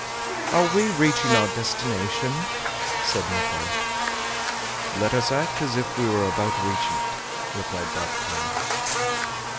"Are we reaching our destination?" said Nicholl. "Let us act as if we were about reaching it," replied Barbicane.